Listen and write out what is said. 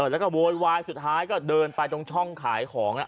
แล้วก็โวยวายสุดท้ายก็เดินไปตรงช่องขายของ